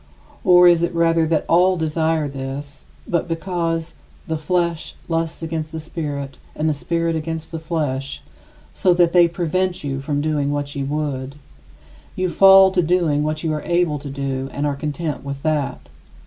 Or, is it rather that all desire this, but because "the flesh lusts against the spirit and the spirit against the flesh," so that they "prevent you from doing what you would," you fall to doing what you are able to do and are content with that.